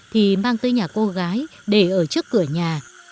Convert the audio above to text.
thì mang tới nhà cô gái để ở trước cửa nhà